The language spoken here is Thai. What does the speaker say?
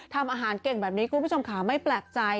ทำอาหารเก่งแบบนี้คุณผู้ชมค่ะไม่แปลกใจ